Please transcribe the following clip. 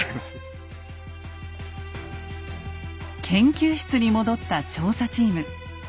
研究室に戻った調査チーム。